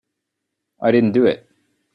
I didn't do it.